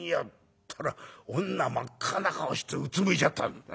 ったら女真っ赤な顔してうつむいちゃった。